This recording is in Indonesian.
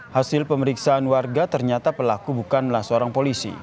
hasil pemeriksaan warga ternyata pelaku bukanlah seorang polisi